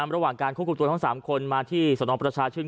ระหว่างการควบคุมตัวทั้ง๓คนมาที่สนประชาชื่น